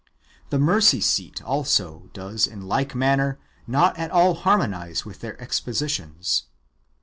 The mercy seat^ also does in like manner not at all harmonize with their expositions.